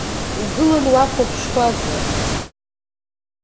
Угылан уахәаԥшуазар.